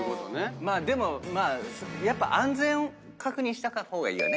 まあでもやっぱ安全を確認した方がいいよね。